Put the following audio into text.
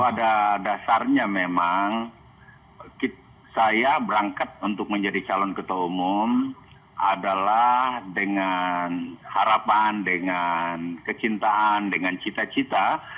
pada dasarnya memang saya berangkat untuk menjadi calon ketua umum adalah dengan harapan dengan kecintaan dengan cita cita